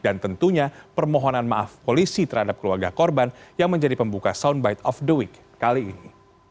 dan tentunya permohonan maaf polisi terhadap keluarga korban yang menjadi pembuka soundbite of the week kali ini